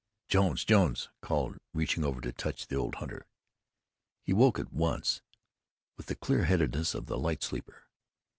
"Jones, Jones," I called, reaching over to touch the old hunter. He awoke at once, with the clear headedness of the light sleeper.